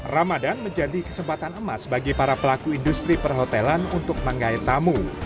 ramadan menjadi kesempatan emas bagi para pelaku industri perhotelan untuk menggait tamu